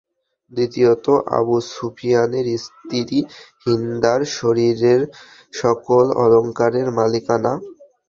দ্বিতীয়ত আবু সুফিয়ানের স্ত্রী হিন্দার শরীরের সকল অলঙ্কারের মালিকানা।